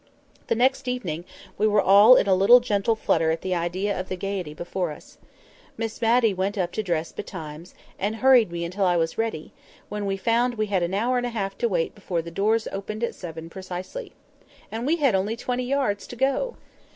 The next evening we were all in a little gentle flutter at the idea of the gaiety before us. Miss Matty went up to dress betimes, and hurried me until I was ready, when we found we had an hour and a half to wait before the "doors opened at seven precisely." And we had only twenty yards to go!